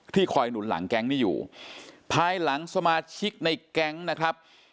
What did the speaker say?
คอยหนุนหลังแก๊งนี้อยู่ภายหลังสมาชิกในแก๊งนะครับ